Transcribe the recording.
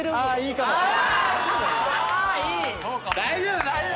大丈夫大丈夫！